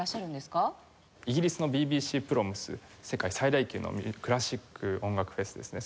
イギリスの「ＢＢＣＰｒｏｍｓ」世界最大級のクラシック音楽フェスですね。